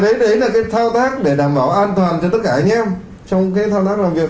đấy là cái thao tác để đảm bảo an toàn cho tất cả anh em trong cái thao tác làm việc